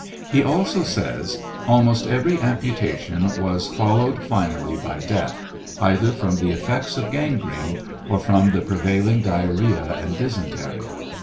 He also says : Almost every amputation was followed finally by death, either from the effects of gangrene, or from the prevailing diarrhoea and dysentery.